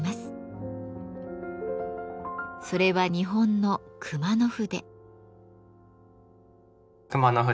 それは日本の「熊野筆」。